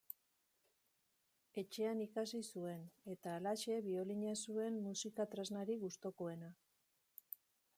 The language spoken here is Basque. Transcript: Etxean ikasi zuen, eta, halaxe, biolina zuen musika tresnarik gustukoena.